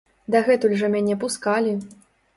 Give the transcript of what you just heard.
Дагэтуль жа мяне пускалі.